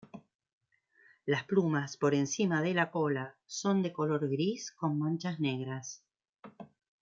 Las plumas por encima de la cola son de color gris con manchas negras.